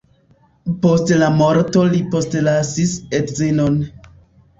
Post la morto li postlasis edzinon.